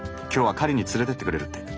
今日は狩りに連れてってくれるって。